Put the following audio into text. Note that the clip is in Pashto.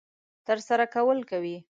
ترسره کول کوي.